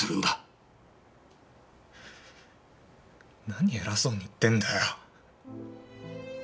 何偉そうに言ってんだよ！